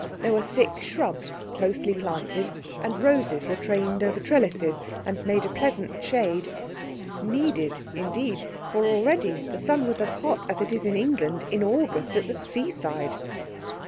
There were thick shrubs closely planted, and roses were trained over trellises, and made a pleasant shade—needed, indeed, for already the sun was as hot as it is in England in August at the seaside.